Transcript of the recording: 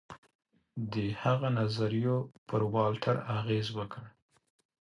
د هغه نظریو پر والټر اغېز وکړ.